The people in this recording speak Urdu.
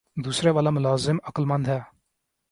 دوسرے والا ملازم عقلمند ہے